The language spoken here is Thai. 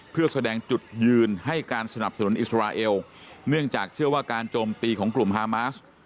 เพื่อแสดงจุดยืนให้การสนับสนุนอิสราเอลเนื่องจากเชื่อว่าการโจมตีของกลุ่มฮามาส